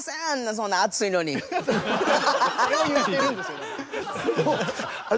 それを言ってるんですよだから。